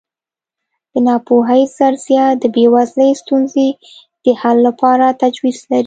د ناپوهۍ فرضیه د بېوزلۍ ستونزې د حل لپاره تجویز لري.